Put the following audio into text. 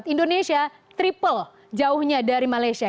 indonesia triple jauhnya dari malaysia